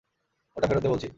ওটা ফেরত দে বলছি!